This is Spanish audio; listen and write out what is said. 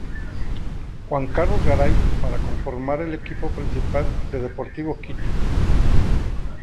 Juan Carlos Garay para conformar el equipo principal de Deportivo Quito.